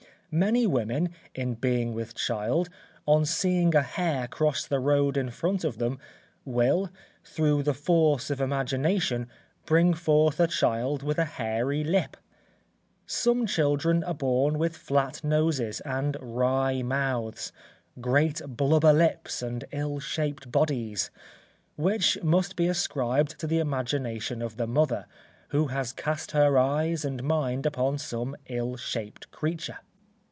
Many women, in being with child, on seeing a hare cross the road in front of them, will, through the force of imagination, bring forth a child with a hairy lip. Some children are born with flat noses and wry mouths, great blubber lips and ill shaped bodies; which must be ascribed to the imagination of the mother, who has cast her eyes and mind upon some ill shaped creature.